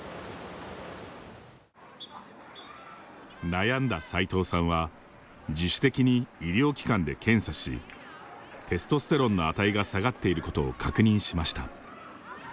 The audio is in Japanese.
悩んだ齊藤さんは、自主的に医療機関で検査しテストステロンの値が下がっていることを確認しました。